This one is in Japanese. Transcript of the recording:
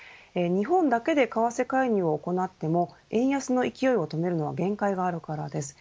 日本だけで為替介入を行っても円安の勢いを止めるのには限界があるからです。